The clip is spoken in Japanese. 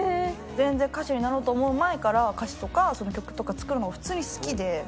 全然歌手になろうとか思う前から、歌詞とか曲とか作るのが普通に好きで。